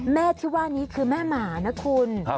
แม่ที่ว่านี้คือแม่หมานะคุณ